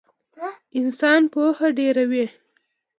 انسان پوهه ډېروي